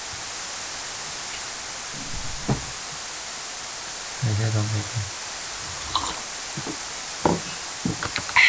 该线与北总线共用设施直至印幡日本医大站为止。